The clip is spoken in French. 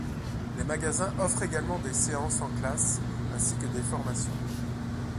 Les magasins offrent également des séances en classe ainsi que des formations.